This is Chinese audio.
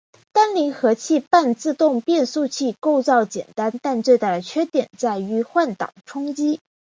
单离合器半自动变速器构造简单但最大的缺点在于换挡冲击。